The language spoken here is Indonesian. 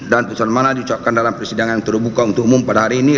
dan pusat mana dicapkan dalam persidangan terbuka untuk umum pada hari ini